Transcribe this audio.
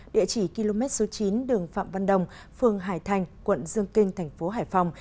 địa chỉ km số chín đường phạm văn đồng phường hải thành quận dương kinh thành phố hải phòng